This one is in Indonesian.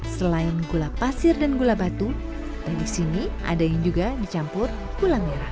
selain gula pasir dan gula batu dan di sini ada yang juga dicampur gula merah